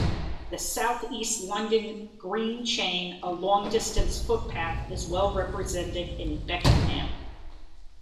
The South East London Green Chain, a long-distance footpath is well represented in Beckenham.